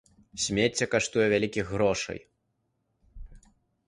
Смецце каштуе вялікіх грошай.